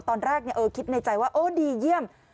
ตอนแรกคิดในใจว่าโอ้ดีเยี่ยม